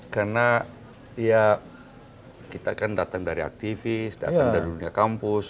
karena ya kita kan datang dari aktivis datang dari dunia kampus